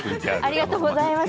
ありがとうございます。